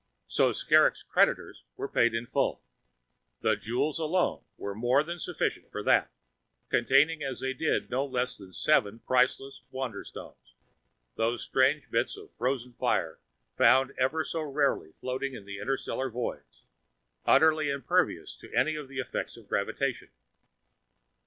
So Skrrgck's creditors were paid in full. The jewels alone were more than sufficient for that, containing as they did no less than seven priceless "Wanderstones," those strange bits of frozen fire found ever so rarely floating in the interstellar voids, utterly impervious to any of the effects of gravitation.